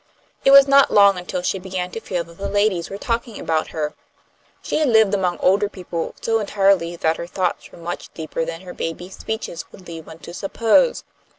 It was not long until she began to feel that the ladies were talking about her. She had lived among older people so entirely that her thoughts were much deeper than her baby speeches would lead one to suppose.